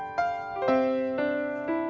lagi di jalan